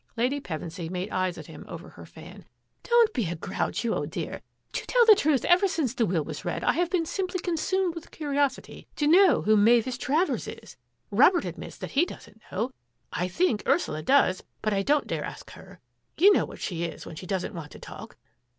Lady Pevensy made eyes at him over her fan. " Don't be a grouch, you old dear ! To tell the truth, ever since the will was read I have been simply consumed with curiosity to know who Mavis Travers is. Robert admits that he doesn't know. I think Ursula does, but I don't dare ask her; you know what she is when she doesn't want to talk.